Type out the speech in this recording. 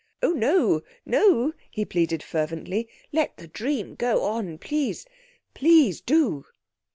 "Oh, no, no," he pleaded fervently; "let the dream go on. Please, please do."